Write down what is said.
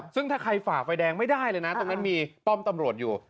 ซึ่งถ้าใครฝ่าไฟแดงไม่ได้เลยนะตรงนั้นมีป้อมตำรวจอยู่